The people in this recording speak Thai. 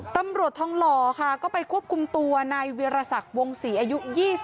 ตำรวจทองหล่อค่ะก็ไปควบคุมตัวนายเวียรศักดิ์วงศรีอายุ๒๒